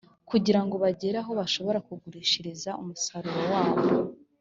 kugirango bagere aho bashobora kugurishiriza umusaruro wabo.